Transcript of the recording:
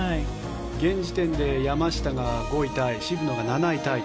現時点で山下が５位タイ渋野が７位タイ。